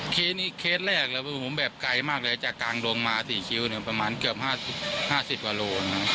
เคสนี่เคสแรกเลยผมแบบไกลมากเลยจากกางดงมาสี่คิ้วแล้วประมาณเกือบ๕๐กว่าโล